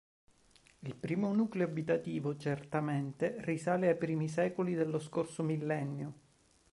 Il primo nucleo abitativo certamente risale ai primi secoli dello scorso millennio.